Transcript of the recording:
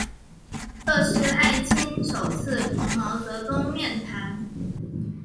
这是艾青首次同毛泽东面谈。